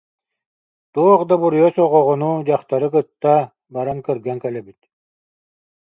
Туох да буруйа суох оҕону, дьахтары кытта баран кырган кэлэбит